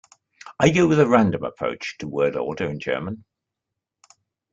I go with a random approach to word order in German.